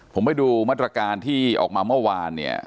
ผมไปดูมาตรการที่ออกมาเมื่อวานเนี่ย